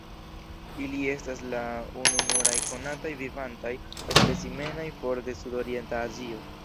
Ili estas la ununuraj konataj vivantaj specimenoj for de Sudorienta Azio.